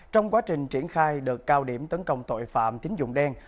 trong quá trình triển khai đợt cao điểm tấn công tội phạm tính dụng đen